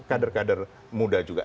kader kader muda juga